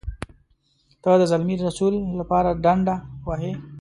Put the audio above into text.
ته د زلمي رسول لپاره ډنډه وهې.